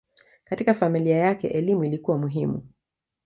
Katika familia yake elimu ilikuwa muhimu.